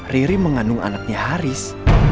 riri mengandung anaknya haris